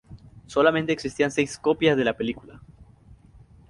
Solamente existían seis copias de la película.